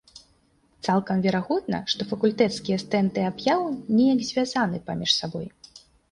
Цалкам верагодна, што факультэцкія стэнды аб'яў неяк звязаны паміж сабой.